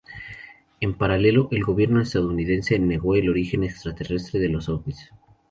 En paralelo, el Gobierno estadounidense negó el origen extraterrestre de los ovnis.